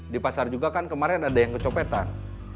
di pasar juga kan kemarin ada yang kecopetan